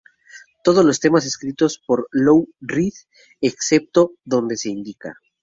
Todos los temas escritos por Lou Reed excepto donde se indica.